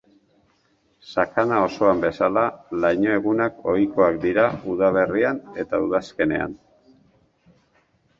Sakana osoan bezala, laino egunak ohikoak dira udaberrian eta udazkenean.